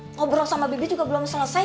ngobrol sama bibi juga belum selesai